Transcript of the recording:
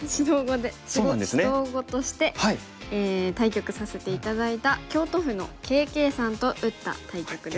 指導碁として対局させて頂いた京都府のＫ．Ｋさんと打った対局です。